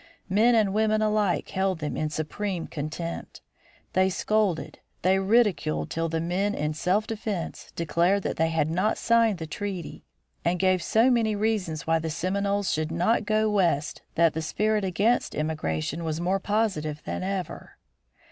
Men and women alike held them in supreme contempt. They scolded, they ridiculed till the men in self defense declared that they had not signed the treaty, and gave so many reasons why the Seminoles should not go west that the spirit against emigration was more positive than ever.